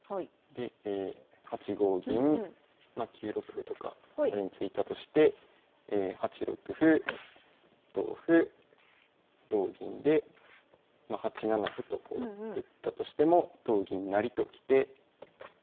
で８五銀ま９六歩とか仮に突いたとして８六歩同歩同銀でまあ８七歩とこう打ったとしても同銀成ときて。